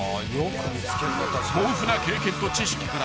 ［豊富な経験と知識から］